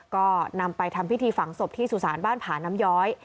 ก็นำไปทำพิธีฝังศพที่สุสานบ้านผาน้ำย้อย